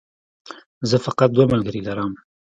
زه فقط دوه ملګري لرم